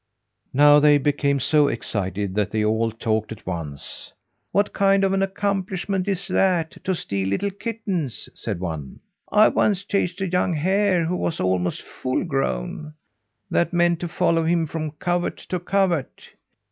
Now they became so excited that they all talked at once. "What kind of an accomplishment is that to steal little kittens?" said one. "I once chased a young hare who was almost full grown. That meant to follow him from covert to covert."